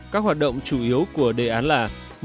các hoạt động chủ yếu của đề án là